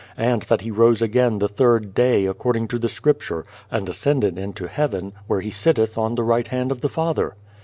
And that He rose again the third day, according to the Scrip ture, and ascended into heaven, where He sitteth on the right hand of the Father."